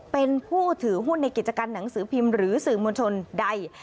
เป็นผู้ถือหุ้นในกิจการหนังสือพิมพ์หรือสื่อมวลชนใด